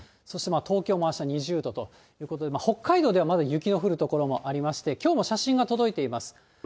そして東京もあした２０度ということで、北海道ではまだ雪の降る所もありまして、きょうも写真が届いています。